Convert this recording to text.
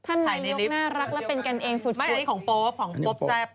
ท่านนายกน่ารักและเป็นกันเองสุดท้ายของโป๊ปของโป๊ปแซ่บ